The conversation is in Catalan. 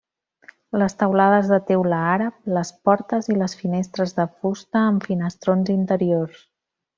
Les teulades de teula àrab, les portes i les finestres de fusta amb finestrons interiors.